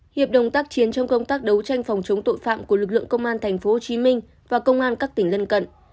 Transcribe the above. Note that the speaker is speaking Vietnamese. hiệp đồng tác chiến trong công tác đấu tranh phòng chống tội phạm của lực lượng công an tp hcm và công an các tỉnh lân cận